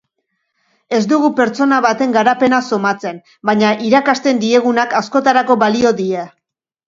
Ez dugu pertsona baten garapena somatzen baina irakasten diegunak askotarako balio die.